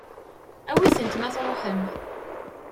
Awit-tent ma tṛuḥem.